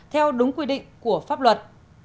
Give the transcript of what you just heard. theo đúng quy định của pháp luật